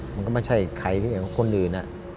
มันก็ไม่ใช่ใครที่เหมือนคนอื่น